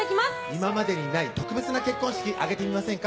今までにない特別な結婚式挙げてみませんか？